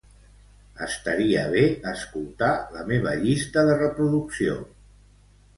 Estaria bé escoltar la meva llista de reproducció.